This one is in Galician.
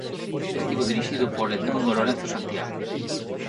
Estivo dirixido por Edmundo Lorenzo Santiago.